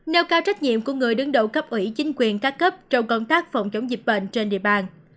nêu cao trách nhiệm của người đứng đầu cấp ủy chính quyền các cấp trong công tác phòng chống dịch bệnh trên địa bàn